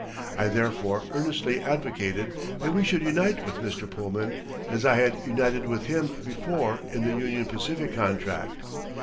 I therefore earnestly advocated that we should unite with Mr. Pullman, as I had united with him before in the Union Pacific contract.